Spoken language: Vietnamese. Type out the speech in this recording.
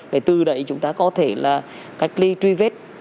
để từ đấy chúng ta có thể là cách ly truy vết